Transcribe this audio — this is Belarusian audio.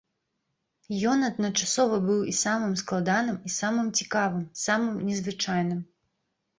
Ён адначасова быў і самым складаным і самым цікавым, самым незвычайным.